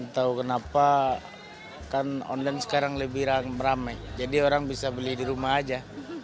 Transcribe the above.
tahu kenapa kan online sekarang lebih ramai jadi orang bisa beli di rumah aja